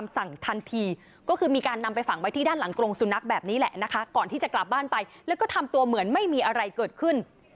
สร้างตัวเหมือนไม่มีอะไรเกิดขึ้น